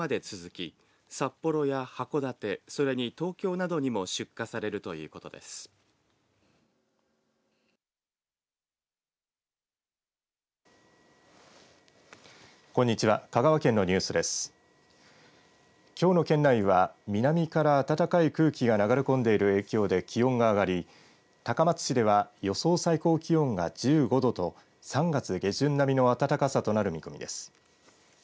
きょうの県内は南から暖かい空気が流れ込んでいる影響で気温が上がり高松市では予想最高気温が１５度と３月下旬並みの暖かさとなる見込みです。